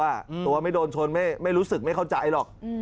ตัวไม่โดนชนไม่รู้สึกไม่เข้าใจหรอก